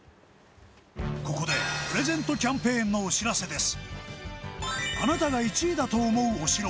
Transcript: ここでプレゼントキャンペーンのお知らせです